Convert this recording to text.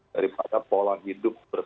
daripada pola hidup